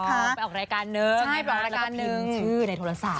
เปล่าเปล่ารายการหนึ่งแล้วก็พิมพ์ชื่อในโทรศัพท์